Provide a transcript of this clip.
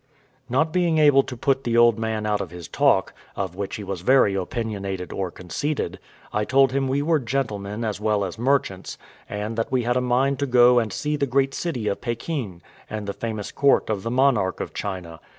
Not being able to put the old man out of his talk, of which he was very opinionated or conceited, I told him we were gentlemen as well as merchants, and that we had a mind to go and see the great city of Pekin, and the famous court of the monarch of China.